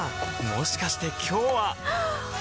もしかして今日ははっ！